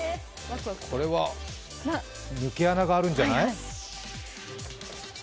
これは抜け穴があるんじゃない？